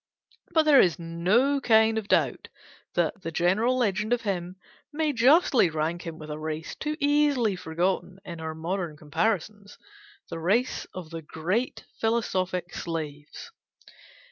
But there is no kind of doubt that the general legend of him may justly rank him with a race too easily forgotten in our modern comparisons: the race of the great philosophic slaves.